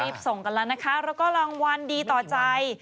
ส่งกันแล้วนะคะแล้วก็รางวัลดีต่อใจ